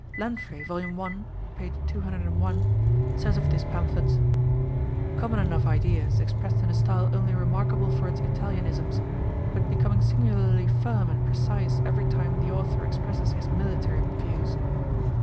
Lanfrey, vol. i. pp. 201, says of this pamphlets "Common enough ideas, expressed in a style only remarkable for its 'Italianisms,' but becoming singularly firm and precise every time the author expresses his military views.